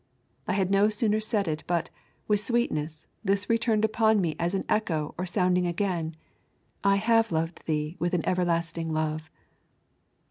I had no sooner said it but, with sweetness, this returned upon me as an echo or sounding again, I have loved thee with an everlasting love.